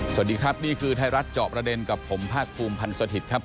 สวัสดีครับนี่คือไทยรัฐเจาะประเด็นกับผมภาคภูมิพันธ์สถิตย์ครับ